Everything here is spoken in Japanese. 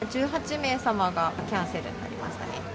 １８名様がキャンセルになりましたね。